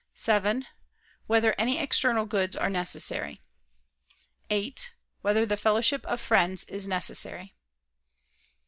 (7) Whether any external goods are necessary? (8) Whether the fellowship of friends is necessary?